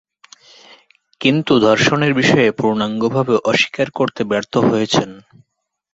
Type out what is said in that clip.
কিন্তু ধর্ষণের বিষয়ে পূর্ণাঙ্গভাবে অস্বীকার করতে ব্যর্থ হয়েছেন।